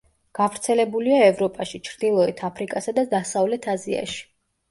გავრცელებულია ევროპაში, ჩრდილოეთ აფრიკასა და დასავლეთ აზიაში.